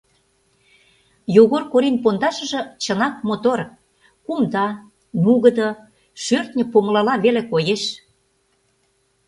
Йогор Корин пондашыже чынак мотор: кумда, нугыдо, шӧртньӧ помылала веле коеш.